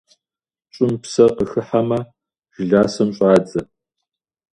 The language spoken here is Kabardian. ЩӀым псэ къыхыхьэмэ, жыласэм щӀадзэ.